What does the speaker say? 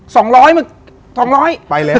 สองร้อยมึงสองร้อย